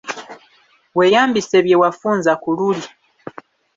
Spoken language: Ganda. Weeyambise bye wafunza ku luli.